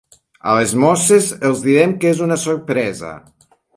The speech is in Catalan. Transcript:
A les mosses els direm que és una sorpresa.